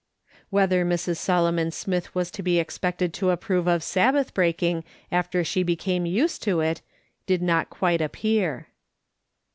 Whether Mrs. Solomon Smith was to be expected to approve of Sabbath breaking after she became used to it, did not quite appear.